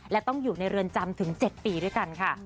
และต้องอยู่ในเรือนจำถึง๗ปีด้วยกันค่ะ